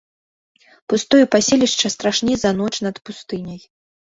Пустое паселішча страшней за ноч над пустыняй.